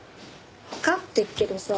わかってっけどさ。